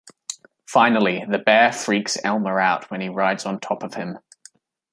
Finally, the bear freaks Elmer out when he rides on top of him.